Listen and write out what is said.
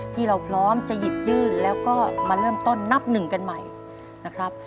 ที่เราพร้อมจะหยิบยื่นแล้วก็มาเริ่มต้นนับหนึ่งกันใหม่นะครับ